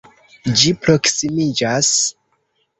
Ĝi proksimiĝas!